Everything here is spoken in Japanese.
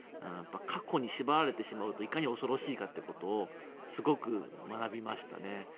過去に縛られてしまうといかに恐ろしいかということをすごく学びましたね。